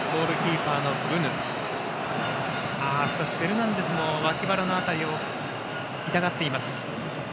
フェルナンデスも、脇腹の辺りを痛がっています。